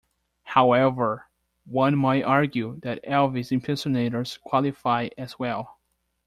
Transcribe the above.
However, one might argue that Elvis impersonators qualify as well.